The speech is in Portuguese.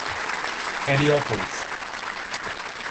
Heliópolis